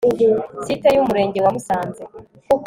Site y Umurenge wa Musanze